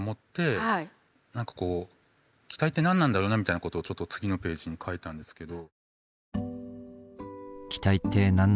何かこう期待って何なんだろうなみたいなことをちょっと次のページに書いたんですけど。